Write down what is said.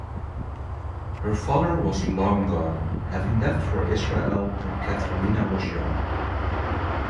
Her father was long gone having left for Israel when Katherina was young.